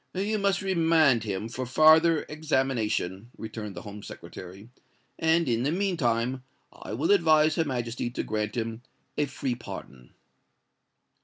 "You must remand him for farther examination," returned the Home Secretary; "and in the mean time I will advise Her Majesty to grant him a free pardon."